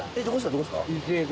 どこですか？